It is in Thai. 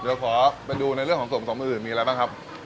เดี๋ยวขอไปดูในเรื่องของส่วนผสมอื่นมีอะไรบ้างครับ